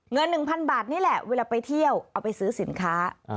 เงิน๑๐๐๐บาทนี่แหละเวลาไปเที่ยวเอาไปซื้อสินค้า